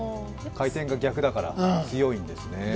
回転が逆だから強いんですね。